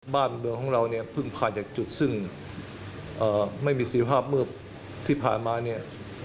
บ้านเมืองของเราเนี่ยเพิ่งผ่านจากจุดซึ่งไม่มีสิทธิภาพเมื่อที่ผ่านมาเนี่ย